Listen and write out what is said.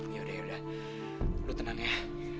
ya udah ya udah lu tenang ya